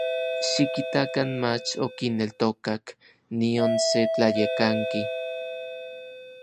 Xikitakan mach okineltokak nion se tlayekanki.